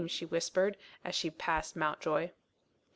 she whispered, as she passed Mountjoy.